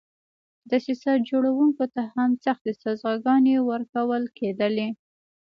دسیسه جوړوونکو ته هم سختې سزاګانې ورکول کېدلې.